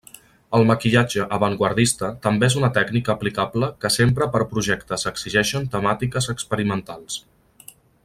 El maquillatge avantguardista també és una tècnica aplicable que s'empra per projectes exigeixen temàtiques experimentals.